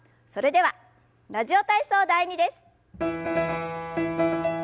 それでは「ラジオ体操第２」です。